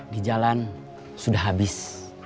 di jalan sudah habis